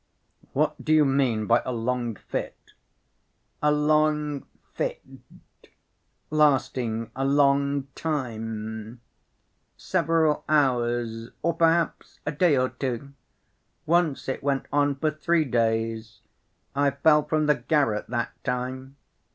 "What do you mean by 'a long fit'?" "A long fit, lasting a long time—several hours, or perhaps a day or two. Once it went on for three days. I fell from the garret that time.